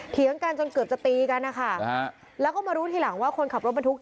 เถียงกันจนเกือบจะตีกันนะคะแล้วก็มารู้ทีหลังว่าคนขับรถบรรทุก